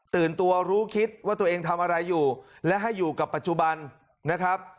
ตัวรู้คิดว่าตัวเองทำอะไรอยู่และให้อยู่กับปัจจุบันนะครับ